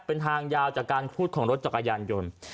เป็นทางยาวจากการคูดของรถจักรยานยนต์